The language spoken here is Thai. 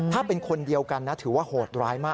ถ้าเป็นคนเดียวกันนะถือว่าโหดร้ายมาก